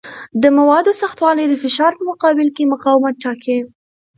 د موادو سختوالی د فشار په مقابل کې مقاومت ټاکي.